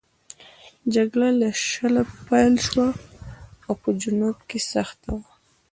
جګړه له شله پیل شوه او په جنوب کې سخته وه.